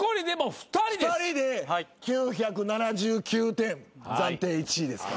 ２人で９７９点暫定１位です。